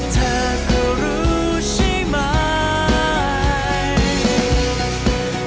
เธอก็รู้ใช่ไหม